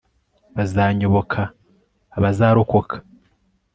bazanyoboka abazarokoka